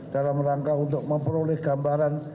dalam rangka untuk memperoleh gambaran